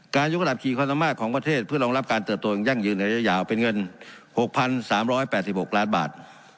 ยกระดับขี่ความสามารถของประเทศเพื่อรองรับการเติบโตอย่างยั่งยืนระยะยาวเป็นเงิน๖๓๘๖ล้านบาท